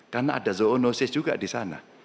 karena ada zoonosis juga di sana